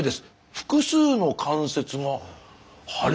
複数の関節が腫れる。